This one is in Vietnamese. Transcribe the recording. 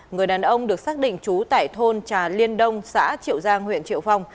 người đàn ông được xác định chú tài thôn trà liên đông xã triệu giang huyện triệu phong